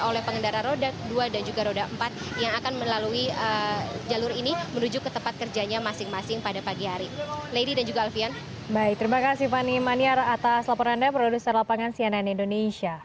oleh pengendara roda dua dan juga roda empat yang akan melalui jalur ini menuju ke tempat kerjanya masing masing pada pagi hari